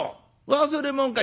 忘れもんか？」。